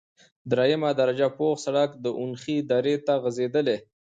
دریمه درجه پوخ سرک د اونخې درې ته غزیدلی،